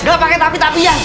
gak pakai tapi tapi ya